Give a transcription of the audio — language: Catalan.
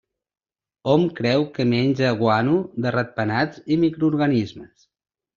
Hom creu que menja guano de ratpenats i microorganismes.